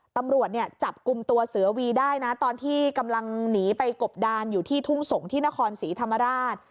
ตำรวจเนี่ยจับกลุ่มตัวเสือวีได้นะตอนที่กำลังหนีไปกบดานอยู่ที่ทุ่งสงศ์ที่นครศรีธรรมราช